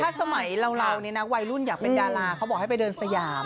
ถ้าสมัยเราเนี่ยนะวัยรุ่นอยากเป็นดาราเขาบอกให้ไปเดินสยาม